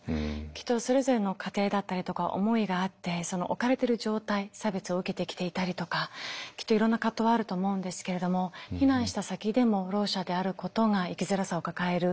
きっとそれぞれの家庭だったりとか思いがあってその置かれてる状態差別を受けてきていたりとかきっといろんな葛藤はあると思うんですけれども避難した先でもろう者であることが生きづらさを抱える。